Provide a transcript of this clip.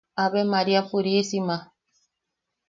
¡Ave María purísima!